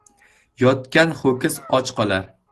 Yotgan ho'kiz och qolar.